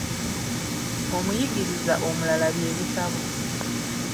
Omuyigiriza omulala bye bitabo.